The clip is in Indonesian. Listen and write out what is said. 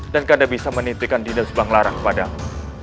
dan kanda bisa menitikan dinda subanglarang padamu